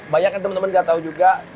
banyak yang temen temen gak tau juga